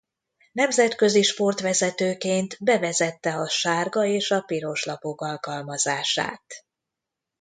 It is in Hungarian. Nemzetközi sportvezetőként bevezette a sárga és a piros lapok alkalmazását.